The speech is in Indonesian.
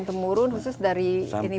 temurun khusus dari ini